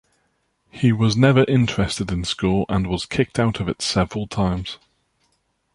He was never interested in school and was kicked out of it several times.